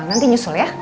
nanti nyusul ya